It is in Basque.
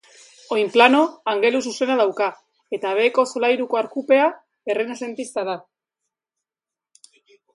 Oinplano angeluzuzena dauka, eta beheko solairuko arkupea errenazentista da.